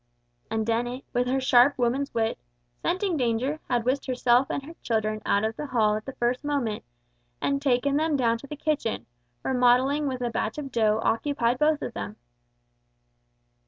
And Dennet, with her sharp woman's wit, scenting danger, had whisked herself and her children out of the hall at the first moment, and taken them down to the kitchen, where modelling with a batch of dough occupied both of them.